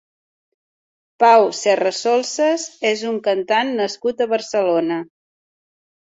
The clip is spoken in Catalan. Pau Serrasolsas és un cantant nascut a Barcelona.